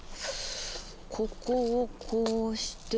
ここをこうして。